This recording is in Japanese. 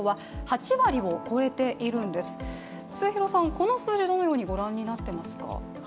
この数字、どのようにご覧になってますか？